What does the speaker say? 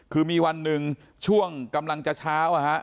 คือมีวันหนึ่งช่วงกำลังจะเช้า